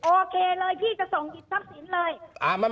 โอเคเลยพี่จะส่งหยิบทรัพย์สินเลย